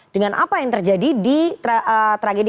dengan apa yang terjadi di tragedi